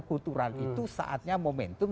kultural itu saatnya momentum